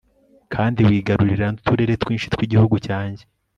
kandi wigarurira n'uturere twinshi tw'igihugu cyanjye